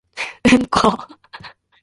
うんこ